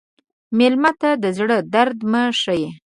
مېلمه ته د زړه درد مه ښیې.